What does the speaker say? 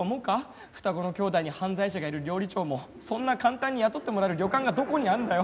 双子の兄弟に犯罪者がいる料理長もそんな簡単に雇ってもらえる旅館がどこにあるんだよ？